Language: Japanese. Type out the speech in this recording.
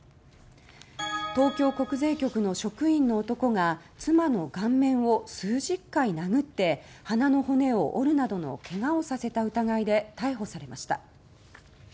東京国税局の職員の男が妻の顔面を数十回殴って鼻の骨を折るなどの怪我をさせた疑いで逮捕されました。